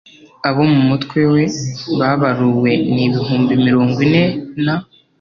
abo mu mutwe we babaruwe ni ibihumbi mirongo ine na